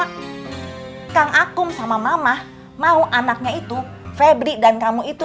kang akung sama mama mau anaknya itu febri dan kamu itu